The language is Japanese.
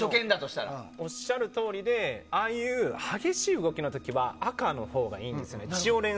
おっしゃるとおりでああいう激しい動きの時は赤のほうがいいんですよ。